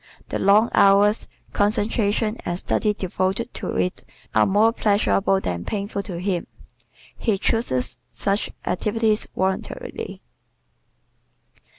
The long hours, concentration and study devoted to it are more pleasurable than painful to him. He chooses such activities voluntarily.